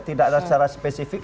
tidak ada secara spesifik